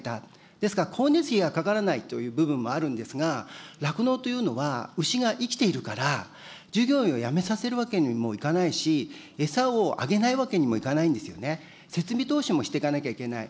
ですが光熱費がかからないという部分もあるんですが、酪農というのは、牛が生きているから、従業員を辞めさせるわけにもいかないし、餌をあげないわけにもいかないんですよね、設備投資もしていかなきゃいけない。